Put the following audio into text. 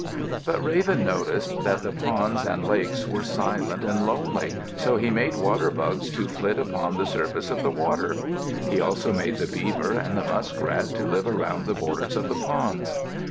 But Raven noticed that the ponds and lakes were silent and lonely, so he made water bugs to flit upon the surface of the water. He also made the beaver and the muskrat to live around the borders of the ponds.